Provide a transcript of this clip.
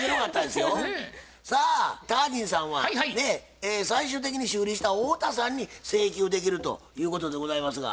さあタージンさんは最終的に修理した太田さんに請求できるということでございますが？